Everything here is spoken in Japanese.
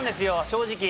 正直。